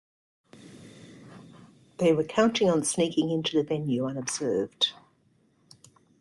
They were counting on sneaking in to the venue unobserved